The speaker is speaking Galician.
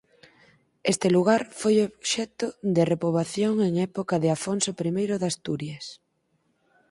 Este lugar foi obxecto de repoboación en época de Afonso I de Asturias.